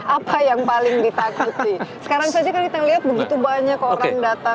apa yang paling ditakuti sekarang saja kan kita lihat begitu banyak orang datang